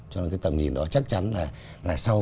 cho nên cái tầm nhìn đó chắc chắn là sau